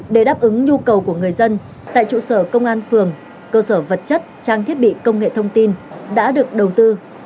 để đáp ứng nhu cầu của người dân tại trụ sở công an phường cơ sở vật chất trang thiết bị công nghệ thông tin đã được đầu tư